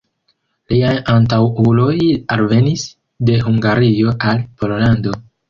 Liaj antaŭuloj alvenis de Hungario al Pollando.